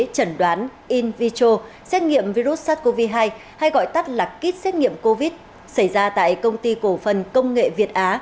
chẩn đoán in vicho xét nghiệm virus sars cov hai hay gọi tắt là kit xét nghiệm covid xảy ra tại công ty cổ phần công nghệ việt á